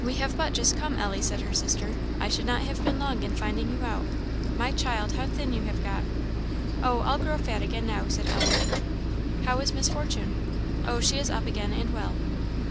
"We have but just come, Ellie," said her sister. "I should not have been long in finding you out. My child, how thin you have got." "Oh, I'll grow fat again now," said Ellen. "How is Miss Fortune?" "Oh, she is up again and well."